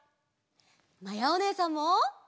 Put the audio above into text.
まやおねえさんも！